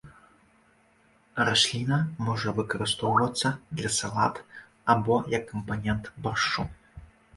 Расліна можа выкарыстоўвацца для салат або як кампанент баршчу.